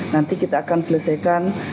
nanti kita akan selesaikan